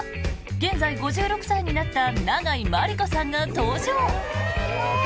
現在５６歳になった永井真理子さんが登場。